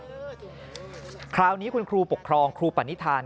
ด้วยอีกทางหนึ่งแม่บอกครับคราวนี้คุณครูปกครองครูปรณิษฐาน